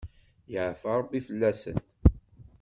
Yeɛfa rebbi fell-asen.